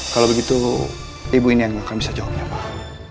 kalau begitu ibu ini yang akan bisa jawabnya pak